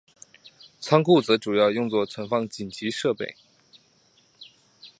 仓库则主要用作存放紧急设备。